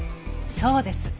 そうです。